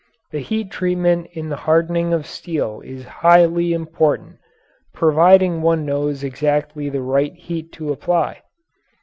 The heat treatment in the hardening of steel is highly important providing one knows exactly the right heat to apply.